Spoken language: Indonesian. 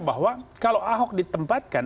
bahwa kalau ahok ditempatkan